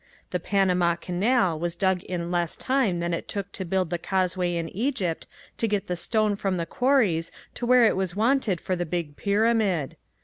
The Panama Canal was dug in less time than it took to build the causeway in Egypt to get the stone from the quarries to where it was wanted for the big pyramid.